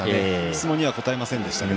質問には答えませんでした。